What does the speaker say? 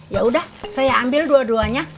ya udah saya ambil dua duanya